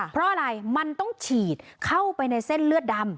เพราะอะไรมันต้องฉีดเข้าไปในเส้นเลือดดำ